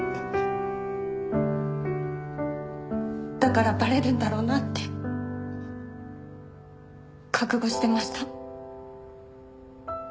だからバレるんだろうなって覚悟してました。